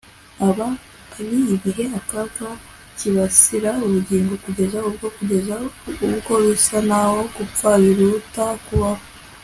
Aba ari ibihe akaga kibasira ubugingo kugeza ubwo kugeza ubwo bisa naho gupfa biruta kubaho